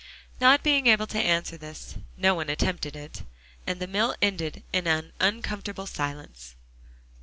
Not being able to answer this, no one attempted it, and the meal ended in an uncomfortable silence.